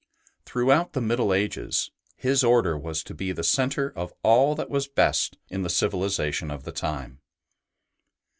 Throughout the Middle Ages his Order was to be the centre of all that was best in the civilization of the time.